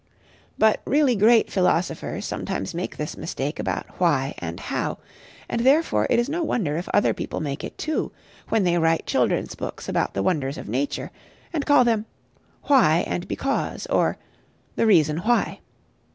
But really great philosophers sometimes make this mistake about Why and How; and therefore it is no wonder if other people make it too, when they write children's books about the wonders of nature, and call them "Why and Because," or "The Reason Why."